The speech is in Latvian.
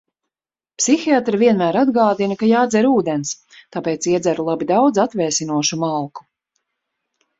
Psihiatre vienmēr atgādina, ka jādzer ūdens, tāpēc iedzeru labi daudz atvēsinošu malku.